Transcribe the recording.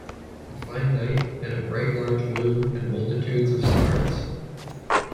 A fine night, and a bright large moon, and multitudes of stars.